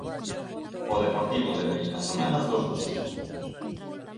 O Deportivo débelle cando menos dous dos tres puntos.